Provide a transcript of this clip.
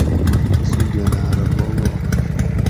تسوں گھناۤر اۤ بوب آش